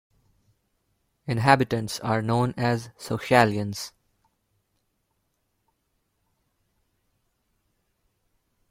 Inhabitants are known as "Sochaliens".